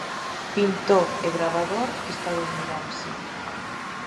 Pintor e gravador estadounidense.